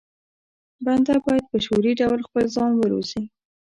بنده بايد په شعوري ډول خپل ځان وروزي.